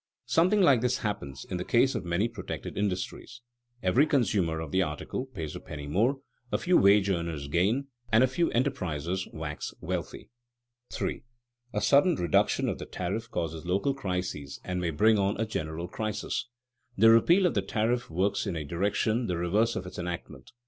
Something like this happens in the case of many protected industries; every consumer of the article pays a penny more, a few wage earners gain, and a few enterprisers wax wealthy. [Sidenote: Sudden tariff reduction injurious] 3. A sudden reduction of the tariff causes local crises and may bring on a general crisis. The repeal of the tariff works in a direction the reverse of its enactment.